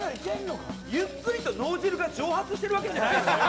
ゆっくりと脳汁が蒸発してるわけじゃないよね。